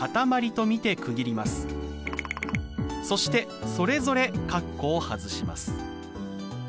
そしてそれぞれ括弧を外します。